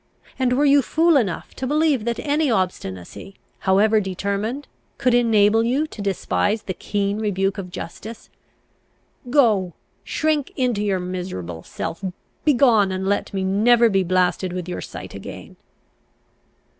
And were you fool enough to believe that any obstinacy, however determined, could enable you to despise the keen rebuke of justice? Go, shrink into your miserable self! Begone, and let me never be blasted with your sight again!"